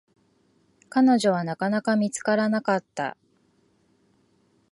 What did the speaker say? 彼女は、なかなか見つからなかった。